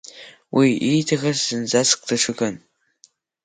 Уи ииҭахыз ӡынӡаск даҽакын.